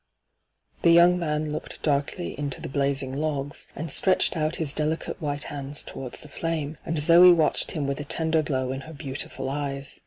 The young man looked darkly into the blazing logs, and stretched out his delicate white hands towards the flame ; and Zoe watched him with a tender glow in her beautiful eyes.